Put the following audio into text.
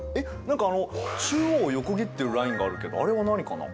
何かあの中央を横切ってるラインがあるけどあれは何かな？